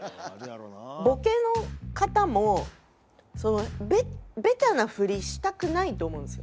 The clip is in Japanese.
ボケの方もベタなフリしたくないと思うんですよ。